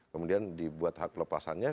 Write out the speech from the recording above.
kemudian dibuat hak lepasannya